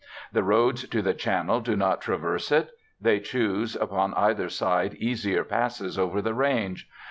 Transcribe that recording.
The roads to the Channel do not traverse it; they choose upon either side easier passes over the range.